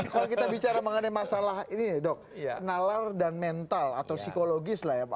kalau kita bicara mengenai masalah ini dok nalar dan mental atau psikologis lah ya pak